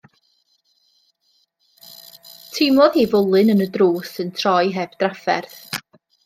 Teimlodd hi fwlyn y drws yn troi heb drafferth.